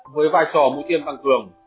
với vai trò mũi tiêm tăng cường